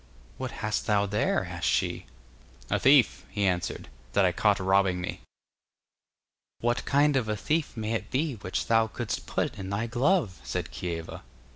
'What hast thou there?' asked she. 'A thief,' he answered, 'that I caught robbing me.' 'What kind of a thief may it be which thou couldst put in thy glove?' said Kieva.